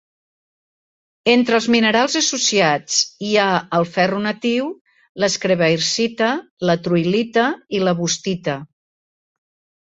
Entre els minerals associats hi ha el ferro natiu, la schreibersita, la troilita i la wüstita.